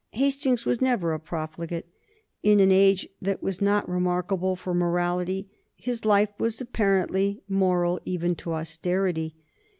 Hastings was never a profligate. In an age that was not remarkable for morality his life was apparently moral even to austerity.